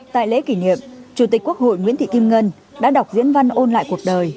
tại lễ kỷ niệm chủ tịch quốc hội nguyễn thị kim ngân đã đọc diễn văn ôn lại cuộc đời